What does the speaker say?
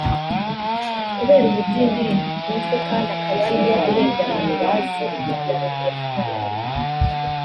Kubera uburyo iyi ndirimbo ikunzwe kandi akaba ariyo urebye abantu bazi ya Roberto